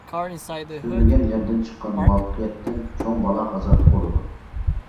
كۈتۈلمىگەن يەردىن چىققان مۇۋەپپەقىيەتتىن چوڭ بالا-قازا تۇغۇلىدۇ.